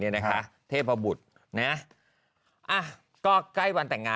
เก่งเก่งเก่งเก่งเก่ง